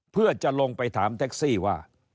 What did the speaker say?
เพื่อจะลงไปถามแท็กซี่ว่า